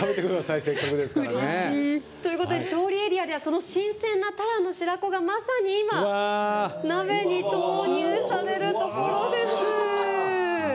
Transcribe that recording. せっかくですからね。ということで調理エリアではその新鮮なタラの白子がまさに今鍋に投入されるところです。